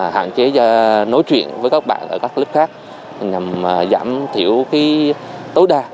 hạn chế nói chuyện với các bạn ở các lớp khác nhằm giảm thiểu tối đa